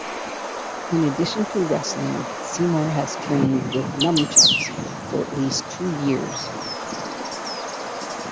In addition to wrestling, Seymour has trained with nunchucks for at least two years.